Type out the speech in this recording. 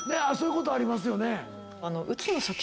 そういうことありますよね。